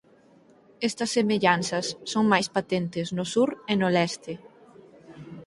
Estas semellanzas son máis patentes no sur e no leste.